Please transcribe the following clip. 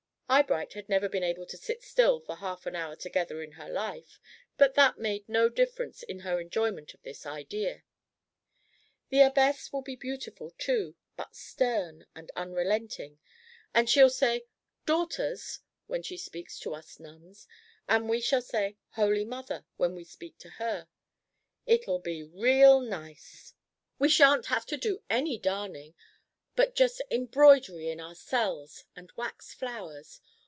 Eyebright had never been able to sit still for half an hour together in her life, but that made no difference in her enjoyment of this idea. "The abbess will be beautiful, too, but stern and unrelenting, and she'll say 'Daughters' when she speaks to us nuns, and we shall say 'Holy Mother' when we speak to her. It'll be real nice. We shan't have to do any darning, but just embroidery in our cells and wax flowers.